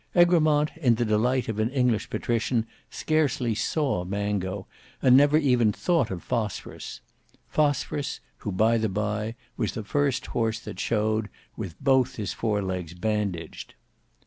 Egremont in the delight of an English patrician scarcely saw Mango, and never even thought of Phosphorus—Phosphorus, who, by the bye, was the first horse that showed, with both his forelegs bandaged.